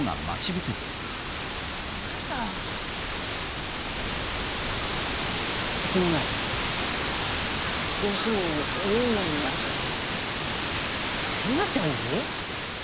⁉あなたすまないどうしても優奈に会いたくて優奈ちゃんに？